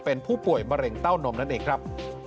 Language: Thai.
เป็นผู้ป่วยมะเร็งเต้านมนั่นเองครับ